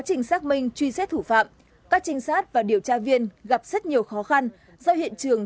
trình xác minh truy xét thủ phạm các trinh sát và điều tra viên gặp rất nhiều khó khăn do hiện trường